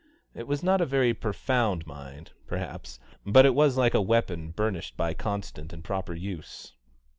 It was not a very profound mind, perhaps, but it was like a weapon burnished by constant and proper use.